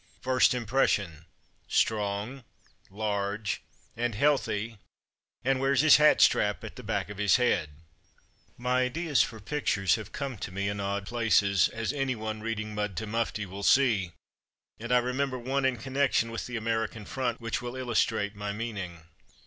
First impression — ''strong, large, and Preface to the American Edition vii healthy, and wears his hat strap at the back of his head/' My ideas for pictures have come to me in odd places, as any one reading Mud to Mufti will see, and I remember one in connection with the American front which will illustrate m y meaning.